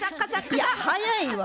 いや速いわ。